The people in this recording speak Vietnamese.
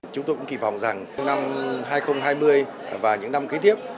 chúng tôi cũng kỳ vọng rằng năm hai nghìn hai mươi và những năm kế tiếp